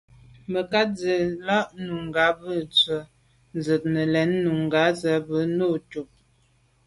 Mə̀kát jɔ́ tɔ̀ɔ́ lá’ nùngà bú tɛ̀ɛ́n ndzjə́ə̀k nə̀ lɛ̀ɛ́n nùngá zə́ bú nùú cúp.